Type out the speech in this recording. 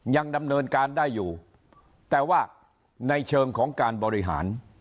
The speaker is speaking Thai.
ยังดำเนินการได้อยู่แต่ว่าในเชิงของการบริหาร